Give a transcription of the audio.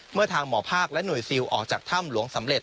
เมื่อทางหมอภาคและหน่วยซิลออกจากถ้ำหลวงสำเร็จ